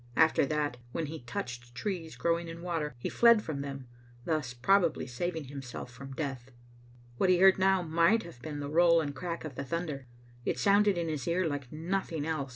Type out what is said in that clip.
After that, when he touched trees growing in water, he fled from them, thus probably saving himself from death. What he heard now might have been the roll and crack of the thunder. It sounded in his ear like noth ing else.